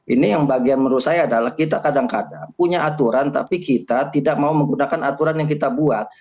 ini yang bagian menurut saya adalah kita kadang kadang punya aturan tapi kita tidak mau menggunakan aturan yang kita buat